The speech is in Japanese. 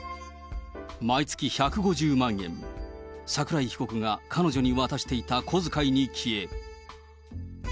毎月１５０万円、桜井被告が彼女に渡していた小遣いに消え。